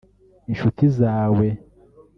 inshuti zawe